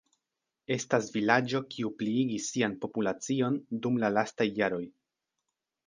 Estas vilaĝo kiu pliigis sian populacion dum la lastaj jaroj.